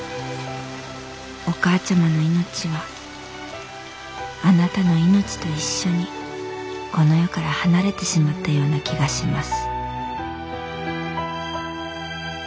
お母ちゃまの命はあなたの命と一緒にこの世から離れてしまったような気がします」。